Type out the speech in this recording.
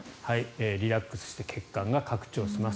リラックスして血管が拡張します。